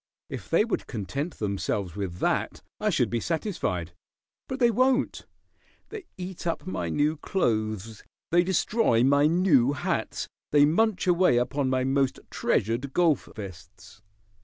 If they would content themselves with that I should be satisfied. But they won't. They eat up my new clothes; they destroy my new hats; they munch away upon my most treasured golf vests.